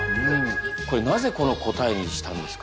これなぜこの答えにしたんですか？